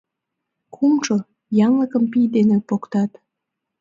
Кумшо — янлыкым пий дене поктат.